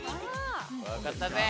わかったぜ！